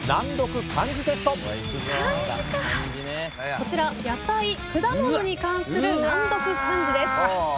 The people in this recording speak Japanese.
こちら野菜果物に関する難読漢字です。